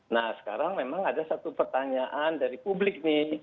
nah sekarang memang ada satu pertanyaan dari publik nih